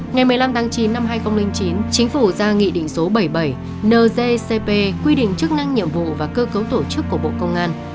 ngày một mươi năm tháng chín năm hai nghìn chín chính phủ ra nghị định số bảy mươi bảy nzcp quy định chức năng nhiệm vụ và cơ cấu tổ chức của bộ công an